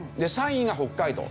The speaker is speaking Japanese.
３位が北海道。